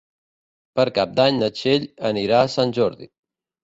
Per Cap d'Any na Txell anirà a Sant Jordi.